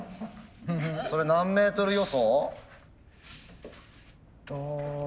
それ何メートル予想？